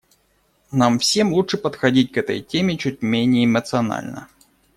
Нам всем лучше подходить к этой теме чуть менее эмоционально.